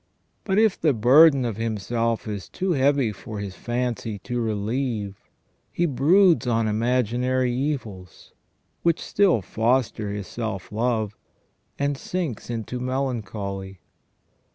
But if the burden of himself is too heavy for his fancy to relieve he broods on imagi nary evils, which still foster his self love, and sinks into melancholy.